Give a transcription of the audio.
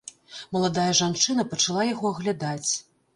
Маладая жанчына пачала яго аглядаць.